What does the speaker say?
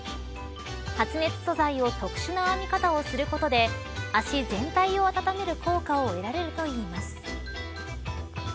発熱素材を特殊な編み方をすることで足全体を温める効果を得られるといいます。